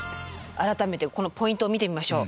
改めてこのポイントを見てみましょう。